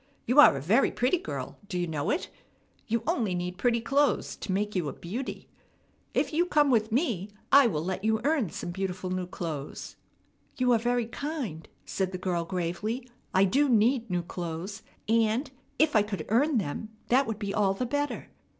You are a very pretty girl; do you know it? You only need pretty clothes to make you a beauty. If you come with me, I will let you earn some beautiful new clothes." "You are very kind," said the girl gravely. "I do need new clothes; and, if I could earn them, that would be all the better."